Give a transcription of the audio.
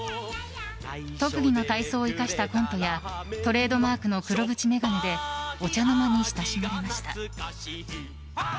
特技の体操を生かしたコントやトレードマークの黒縁眼鏡でお茶の間に親しまれました。